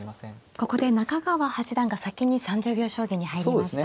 ここで中川八段が先に３０秒将棋に入りました。